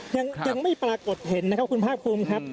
ยังไม่ปรากฏเห็นนะครับคุณภาคภูมิครับ